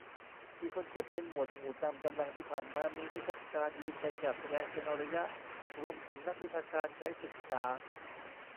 มีคนเก็บเป็นหมวดหมู่ ตามกำลัง ที่ผ่านมามีนิทรรศการยืมไปจัดแสดงเป็นระยะ รวมถึงนักวิชาการใช้ศึกษา